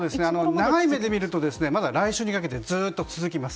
長い目で見ると来週にかけてずっと続きます。